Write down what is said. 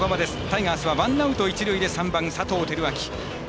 タイガースはワンアウト、一塁で３番、佐藤輝明。